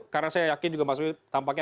karena saya yakin juga mas wahyu tampaknya